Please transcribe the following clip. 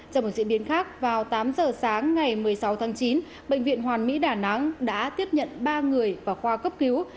trong một diễn biến khác vào tám giờ sáng ngày một mươi sáu tháng chín bệnh viện hoàn mỹ đà nẵng đã tiếp nhận ba người vào khoa cấp cứu